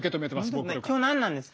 今日何なんですか？